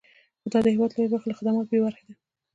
خو د هېواد لویه برخه له خدماتو بې برخې ده.